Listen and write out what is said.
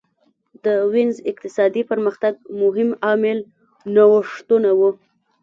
د وینز اقتصادي پرمختګ مهم عامل نوښتونه وو